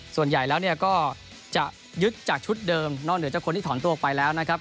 ส่วนใหญ่แล้วเนี่ยก็จะยึดจากชุดเดิมนอกเหนือจากคนที่ถอนตัวออกไปแล้วนะครับ